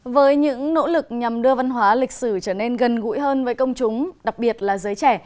với những nỗ lực nhằm đưa văn hóa lịch sử trở nên gần gũi hơn với công chúng đặc biệt là giới trẻ